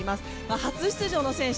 初出場の選手